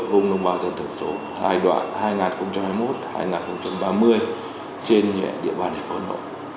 vùng đồng bào dân tộc thiểu số giai đoạn hai nghìn hai mươi một hai nghìn ba mươi trên địa bàn thành phố hà nội